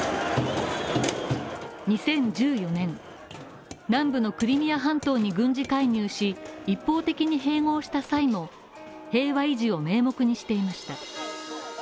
２０１４年、南部のクリミア半島に軍事介入し一方的に併合した際も平和維持を名目にしていました。